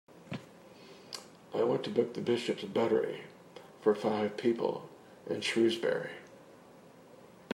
I want to book The Bishops Buttery for five people in Shrewsbury.